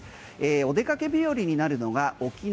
お出かけ日和になるのが沖縄